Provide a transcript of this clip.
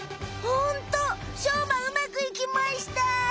ホントしょうまうまくいきました！